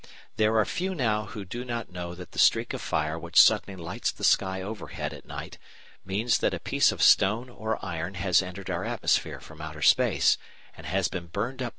There are few now who do not know that the streak of fire which suddenly lights the sky overhead at night means that a piece of stone or iron has entered our atmosphere from outer space, and has been burned up by friction.